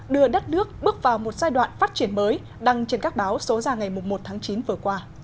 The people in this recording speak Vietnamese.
đưa đất nước bước vào một giai đoạn phát triển mới đăng trên các báo số ra ngày một tháng chín vừa qua